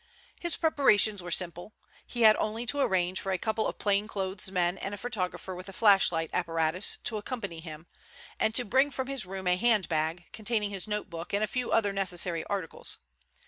His preparations were simple. He had only to arrange for a couple of plain clothes men and a photographer with a flashlight apparatus to accompany him, and to bring from his room a handbag containing his notebook and a few other necessary articles.